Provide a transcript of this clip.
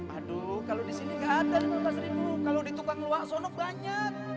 aduh kalau di sini enggak ada rp lima puluh kalau di tukang luar banyak